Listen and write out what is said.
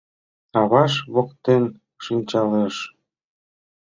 Аваж воктен шинчалеш.